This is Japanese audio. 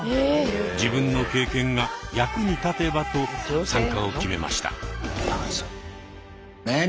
自分の経験が役に立てばと参加を決めました。